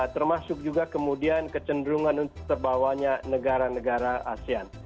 termasuk juga kemudian kecenderungan untuk terbawanya negara negara asean